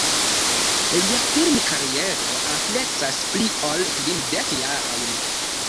Lia film-kariero ampleksas pli ol kvindek jarojn.